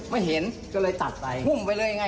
ไม่เจอเลยก็เลยไม่เห็น